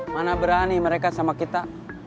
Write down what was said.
mana berani mereka sama kita